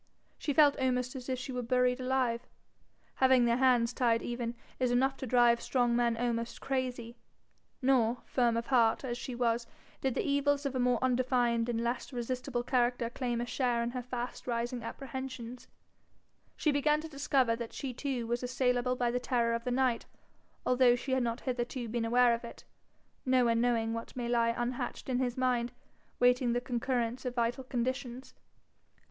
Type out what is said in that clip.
She felt almost as if she were buried alive. Having their hands tied even, is enough to drive strong men almost crazy. Nor, firm of heart as she was, did no evils of a more undefined and less resistible character claim a share in her fast rising apprehensions; she began to discover that she too was assailable by the terror of the night, although she had not hitherto been aware of it, no one knowing what may lie unhatched in his mind, waiting the concurrence of vital conditions.